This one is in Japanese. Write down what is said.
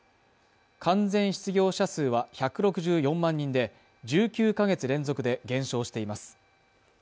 完全失業者数は１６４万人で、１９か月連続で減少しています。